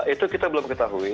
itu kita belum ketahui